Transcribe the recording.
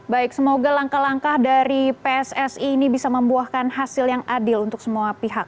baik semoga langkah langkah dari pssi ini bisa membuahkan hasil yang adil untuk semua pihak